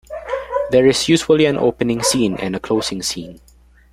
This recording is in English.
There is usually an opening scene and a closing scene.